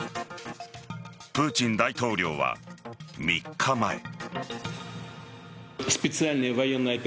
プーチン大統領は３日前。